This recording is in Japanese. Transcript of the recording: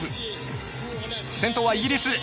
先頭はイギリス。